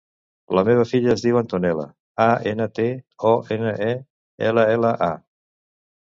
La meva filla es diu Antonella: a, ena, te, o, ena, e, ela, ela, a.